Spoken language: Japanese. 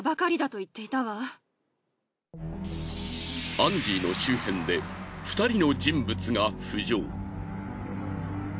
アンジーの周辺で２人の人物が浮上。